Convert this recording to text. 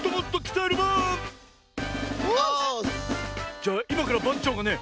じゃあいまからばんちょうがね